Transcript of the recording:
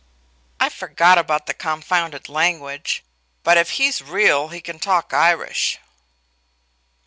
"I forgot about the confounded language. But if he's real he can talk Irish."